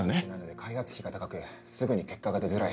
開発費が高くすぐに結果が出づらい